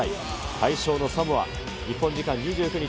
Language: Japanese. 快勝のサモア、日本時間２９日